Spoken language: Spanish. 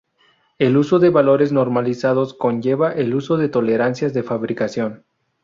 El uso de valores normalizados conlleva el uso de tolerancias de fabricación.